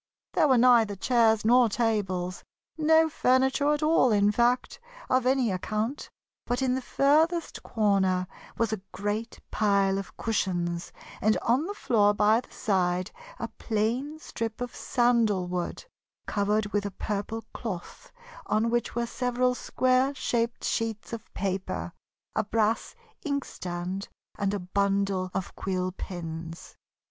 There were neither chairs nor tables no furniture at all, in fact, of any account but in the furthest corner was a great pile of cushions, and on the floor by the side a plain strip of sandalwood, covered with a purple cloth, on which were several square shaped sheets of paper, a brass inkstand, and a bundle of quill pens.